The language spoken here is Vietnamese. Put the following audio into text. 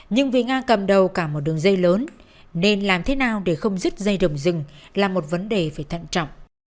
nhưng vì nga cầm đầu cả một đường dây lớn nên làm thế nào để không dứt dây đồng rừng là một vấn đề phải thận trọng